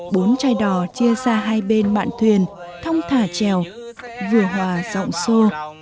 bốn chai đò chia ra hai bên mạng thuyền thong thả chèo vừa hòa giọng sô